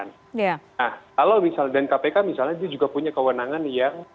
nah kalau misalnya dan kpk misalnya juga punya kewenangan yang